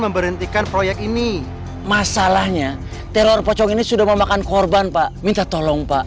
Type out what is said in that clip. memberhentikan proyek ini masalahnya teror pocong ini sudah memakan korban pak minta tolong pak